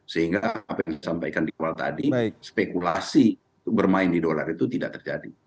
sehingga apa yang disampaikan di kepala tadi spekulasi bermain di dolar itu tidak terjadi